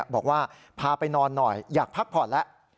บอกว่าพาไปนอนหน่อยอยากพักผ่อนแล้ว